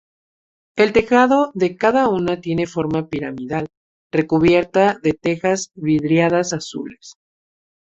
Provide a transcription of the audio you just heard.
El tejado de cada una tiene forma piramidal recubierta de tejas vidriadas azules.